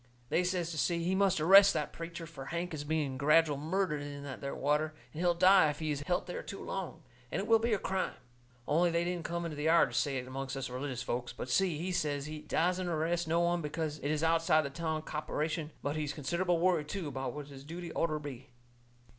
They says to Si he must arrest that preacher, fur Hank is being gradual murdered in that there water, and he'll die if he's helt there too long, and it will be a crime. Only they didn't come into the yard to say it amongst us religious folks. But Si, he says he dassent arrest no one because it is outside the town copperation; but he's considerable worried too about what his duty orter be.